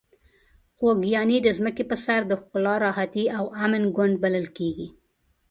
خوږیاڼي د ځمکې په سر د ښکلا، راحتي او امن ګوند بلل کیږي.